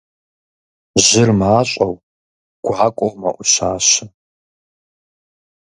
Жьыр мащӀэу, гуакӀуэу мэӀущащэ.